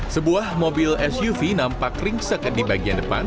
sebuah mobil suv nampak ringsek di bagian depan